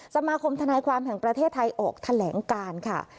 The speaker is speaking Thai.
สมาคมธนายความแห่งประเทศไทยออกแถลงการค่ะ